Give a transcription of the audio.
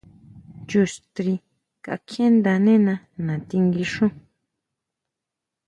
Chu strí kakjiʼndánena natí nguixún.